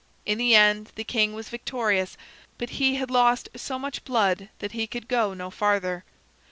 In the end the king was victorious, but he had lost so much blood that he could go no farther.